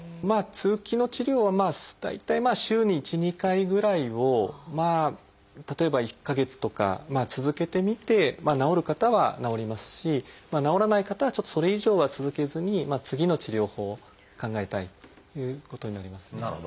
まあ通気の治療は大体まあ週に１２回ぐらいを例えば１か月とか続けてみて治る方は治りますし治らない方はちょっとそれ以上は続けずに次の治療法を考えたいということになりますね。